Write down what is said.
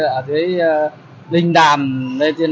các điểm cảnh sát giao thông